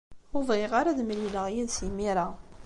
Ur bɣiɣ ara ad mlileɣ yid-s imir-a.